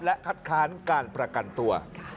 และคัดค้านการประกันตัว